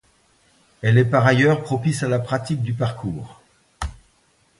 Elle est par ailleurs propice à la pratique du parcours.